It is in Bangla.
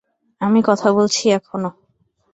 আমি কথা বলছি এখনও।